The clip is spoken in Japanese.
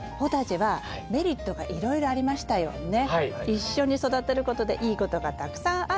一緒に育てることでいいことがたくさんあるよって。